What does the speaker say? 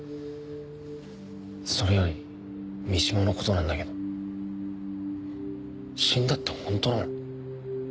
それより三島の事なんだけど死んだって本当なの？